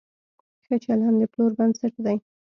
ښه چلند د پلور بنسټ دی.